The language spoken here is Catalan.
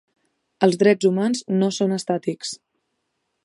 Els Drets Humans no són estàtics.